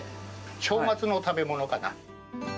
正月の食べ物かな。